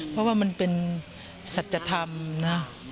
เพราะว่ามันเป็นสัจธรรมนะ